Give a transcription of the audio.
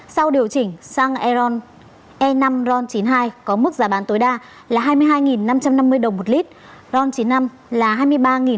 sau điều chỉnh xăng e năm ron chín mươi hai có mức giá bán tối đa là hai mươi hai năm trăm năm mươi đồng một lít ron chín mươi năm là hai mươi ba hai trăm chín mươi đồng một lít dầu diazen là một mươi bảy năm trăm bảy mươi đồng một lít